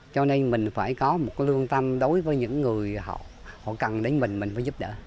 cho nên mình phải có một cái lương tâm đối với những người họ cần đến mình mình phải giúp đỡ